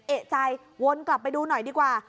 เอกใจวนกลับไปดูหน่อยดีกว่า